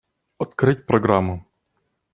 Открыть программу.